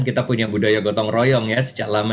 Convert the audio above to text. kita punya budaya gotong royong ya sejak lama